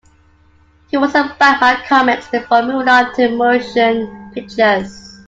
He wrote some Batman comics before moving on to motion pictures.